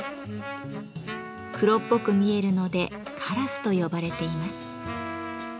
黒っぽく見えるので「カラス」と呼ばれています。